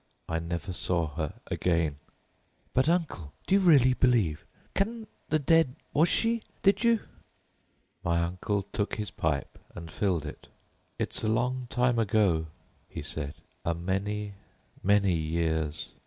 "I never saw her again——" "But, uncle, do you really believe?—Can the dead?—was she—did you——" My uncle took out his pipe and filled it. "It's a long time ago," he said, "a many, many years.